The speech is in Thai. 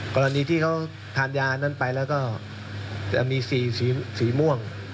กรณีที่เขาทานยานั้นไปแล้วก็จะมีสีม่วง